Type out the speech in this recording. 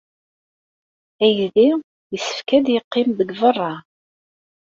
Aydi yessefk ad yeqqim deg beṛṛa!